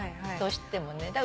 どうしてもね。